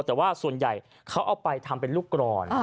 แต่ว่าส่วนใหญ่เขาเอาไปทำเป็นลูกกรอน